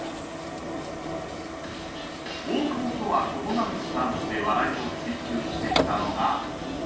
大久保とは異なるスタンスで笑いを追求してきたのが友近。